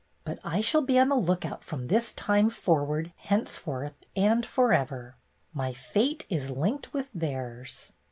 But I shall be on the lookout from this time forward, henceforth, and forever ! My fate is linked with theirs!"